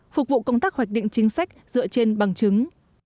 phục vụ công tác hoạch định chính sách dựa trên bằng chứng